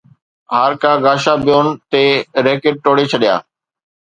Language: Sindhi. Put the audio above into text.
هارڪاغاشابيون ٽي ريڪٽ ٽوڙي ڇڏيا